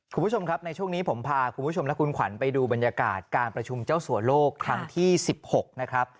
คุณผู้ชมครับในช่วงนี้ผมพาคุณผู้ชมและคุณขวัญไปดูบรรยากาศการประชุมเจ้าสัวโลกครั้งที่๑๖นะครับ